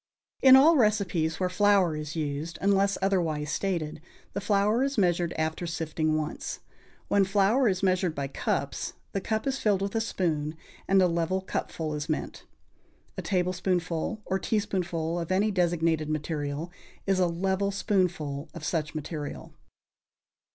= In all recipes where flour is used, unless otherwise stated, the flour is measured after sifting once. When flour is measured by cups, the cup is filled with a spoon, and a level cupful is meant. A tablespoonful or teaspoonful of any designated material is a level spoonful of such material.